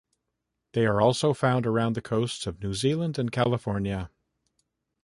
They are also found around the coasts of New Zealand and California.